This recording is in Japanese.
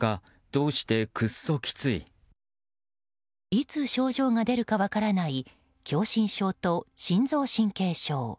いつ症状が出るか分からない狭心症と心臓神経症。